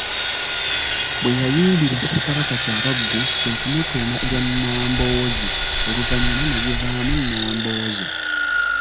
Bwe yayimbira Ssekabaka Kyabaggu kwe kumutuuma erya Nnamboozi oluvannyuma ne livaamu Nnambooze.